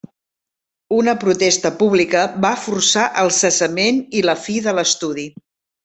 Una protesta pública va forçar el cessament i la fi de l'estudi.